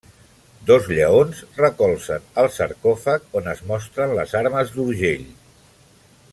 Dos lleons recolzen el sarcòfag, on es mostren les armes d'Urgell.